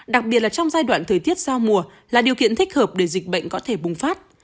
đặc biệt là trong giai đoạn thời tiết giao mùa là điều kiện thích hợp để dịch bệnh có thể bùng phát